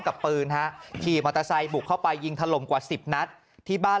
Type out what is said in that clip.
กับปืนฮะขี่มอเตอร์ไซค์บุกเข้าไปยิงถล่มกว่าสิบนัดที่บ้าน